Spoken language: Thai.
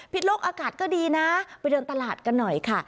โลกอากาศก็ดีนะไปเดินตลาดกันหน่อยค่ะ